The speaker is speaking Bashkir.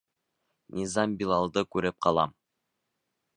Низам Билалды күреп ҡала.